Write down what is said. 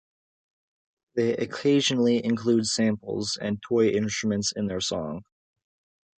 They occasionally include samples and toy instruments in their songs.